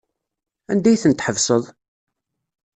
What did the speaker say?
Anda ay tent-tḥebseḍ?